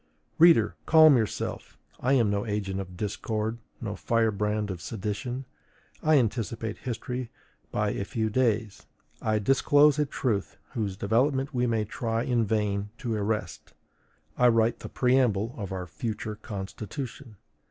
Reader, calm yourself: I am no agent of discord, no firebrand of sedition. I anticipate history by a few days; I disclose a truth whose development we may try in vain to arrest; I write the preamble of our future constitution.